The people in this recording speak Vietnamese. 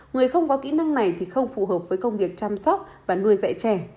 người không có kỹ năng này thì không phù hợp với công việc chăm sóc và nuôi dạy trẻ